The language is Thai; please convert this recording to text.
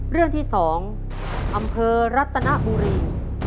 เรื่องที่๒อำเภอรัตนบุรี